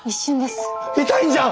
痛いんじゃん！